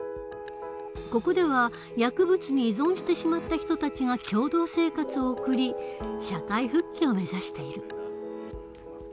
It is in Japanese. ここでは薬物に依存してしまった人たちが共同生活を送り社会復帰を目指している。